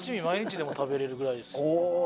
毎日でも食べれるぐらいです。